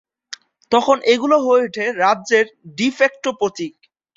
তখন এগুলো হয়ে উঠে রাজ্যের "ডি-ফ্যাক্টো" প্রতীক।